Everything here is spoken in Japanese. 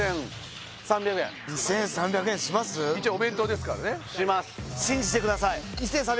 一応お弁当ですからねします